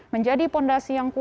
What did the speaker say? menjadi fondasi yang kuat